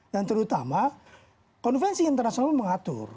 dan terutama konvensi internasional mengatur